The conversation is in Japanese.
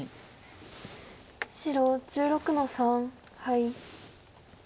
白１６の三ハイ。